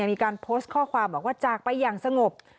มีการโพสต์ข้อความบอกว่าจากไปอย่างสงบ